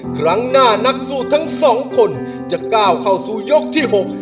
ครั้งหน้านักสู้ทั้งสองคนจะก้าวเข้าสู่ยกที่๖